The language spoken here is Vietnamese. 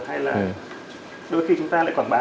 hay là đôi khi chúng ta lại quảng bá